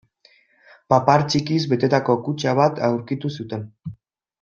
Papar txikiz betetako kutxa bat aurkitu zuten.